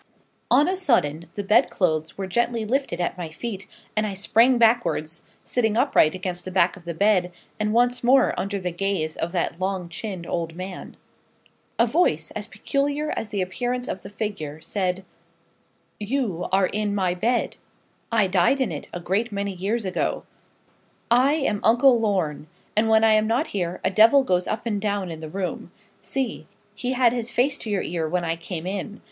On a sudden the bed clothes were gently lifted at my feet, and I sprang backwards, sitting upright against the back of the bed, and once more under the gaze of that long chinned old man. A voice, as peculiar as the appearance of the figure, said: 'You are in my bed I died in it a great many years ago. I am Uncle Lorne; and when I am not here, a devil goes up and down in the room. See! he had his face to your ear when I came in.